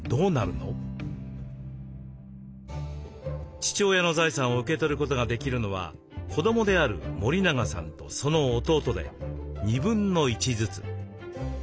父親の財産を受け取ることができるのは子どもである森永さんとその弟で1/2ずつ。